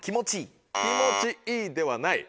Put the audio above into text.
「気持ちいい」ではない。